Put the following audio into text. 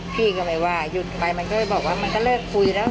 พี่ก็ไม่ว่าหยุดไปมันก็เลยบอกว่ามันก็เลิกคุยแล้ว